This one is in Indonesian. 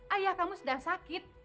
ayah kamu sedang sakit